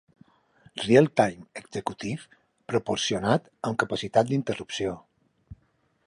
"Real Time Executive" proporcionat amb capacitat d'interrupció.